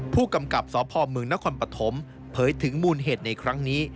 ผู้กำกับสพเมืองนครปฐมเผยถึงมูลเหตุในครั้งนี้